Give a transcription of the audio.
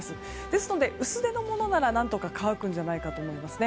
ですので、薄手のものなら何とか乾くと思います。